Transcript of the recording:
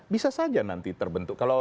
bisa saja nanti terbentuk